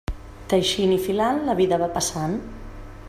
Teixint i filant, la vida va passant.